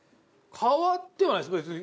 変わってはないです別に。